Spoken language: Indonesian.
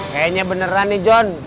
kayaknya beneran nih john